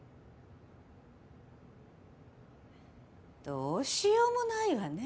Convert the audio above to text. どうしようもないわね